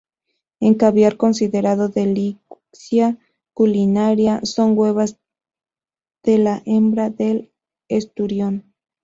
El caviar, considerado delicia culinaria, son huevas de la hembra del esturión.